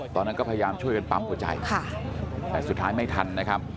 ตอนนั้นก็พยายามช่วยกันปั๊มหัวใจแต่สุดท้ายไม่ทันนะครับ